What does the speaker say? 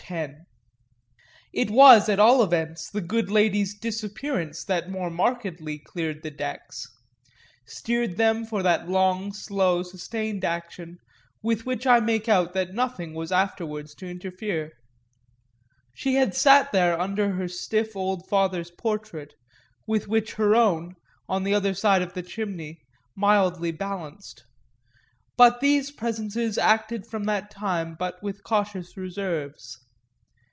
X It was at all events the good lady's disappearance that more markedly cleared the decks cleared them for that long, slow, sustained action with which I make out that nothing was afterwards to interfere. She had sat there under her stiff old father's portrait, with which her own, on the other side of the chimney, mildly balanced; but these presences acted from that time but with cautious reserves.